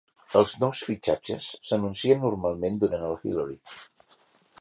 Els nous fitxatges s'anuncien normalment durant el Hilary.